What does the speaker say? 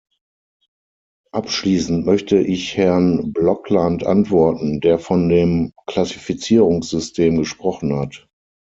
Abschließend möchte ich Herrn Blokland antworten, der von dem Klassifizierungssystem gesprochen hat.